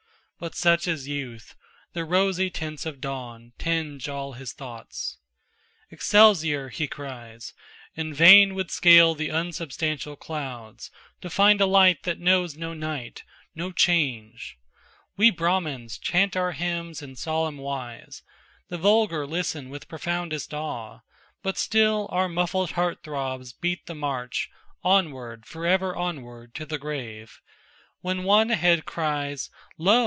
But such is youth; the rosy tints of dawn Tinge all his thoughts. 'Excelsior!' he cries, And fain would scale the unsubstantial clouds To find a light that knows no night, no change; We Brahmans chant our hymns in solemn wise, The vulgar listen with profoundest awe; But still our muffled heart throbs beat the march Onward, forever onward, to the grave, When one ahead cries, 'Lo!